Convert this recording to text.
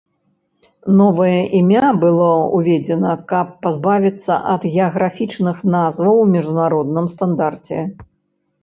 Новае імя было ўведзена, каб пазбавіцца ад геаграфічных назваў у міжнародным стандарце.